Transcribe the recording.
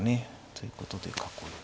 ということで囲いを。